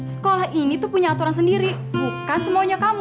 sekolah ini tuh punya aturan sendiri bukan semuanya kamu